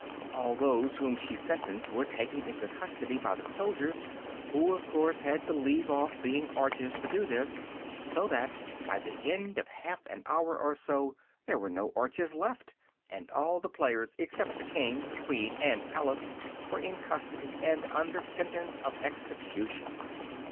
All those whom she sentenced were taken into custody by the soldiers, who of course had to leave off being arches to do this, so that, by the end of half an hour or so, there were no arches left, and all the players, except the King, the Queen, and Alice, were in custody, and under sentence of execution.